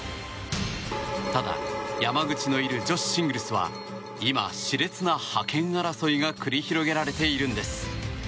ただ、山口のいる女子シングルスは今し烈な覇権争いが繰り広げられているんです。